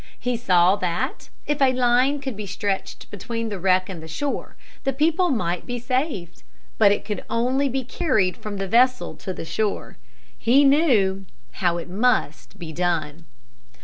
He saw that, if a line could be stretched between the wreck and the shore, the people might be saved; but it could only be carried from the vessel to the shore. He knew how it must be done.